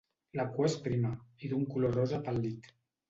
La cua és prima i d'un color rosa pàl·lid.